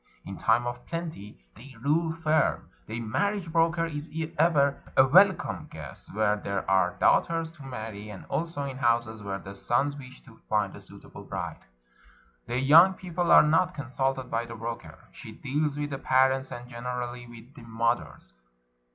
In time of plenty, they "rule firm." The marriage broker is ever a welcome guest where there are daughters to marry, and also in houses where the sons wish to find a suitable bride. The young people are not consulted by the broker. She deals with the parents, and gener ally with the mothers.